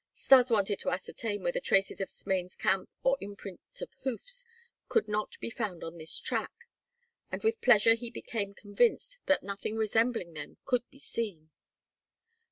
Stas wanted to ascertain whether traces of Smain's camp or imprints of hoofs could not be found on this track; and with pleasure he became convinced that nothing resembling them could be seen.